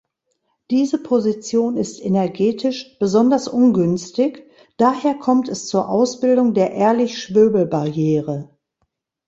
Diese Position ist energetisch besonders ungünstig, daher kommt es zur Ausbildung der Ehrlich-Schwöbel-Barriere.